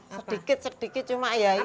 sedikit sedikit cuma ya